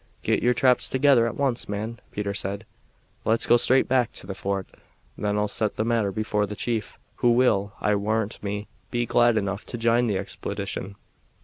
"Git your traps together at once, man," Peter said. "Let's go straight back to the fort; then I'll set the matter before the chief, who will, I warrant me, be glad enough to jine the expedition.